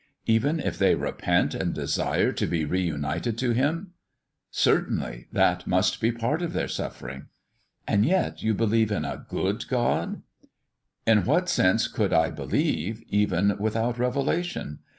"Even if they repent and desire to be reunited to Him?" "Certainly; that must be part of their suffering." "And yet you believe in a good God?" "In what else could I believe, even without revelation?